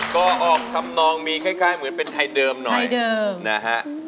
ก็ออกทำนองมีคล้ายเหมือนเป็นไทยเดิมหน่อยนะฮะ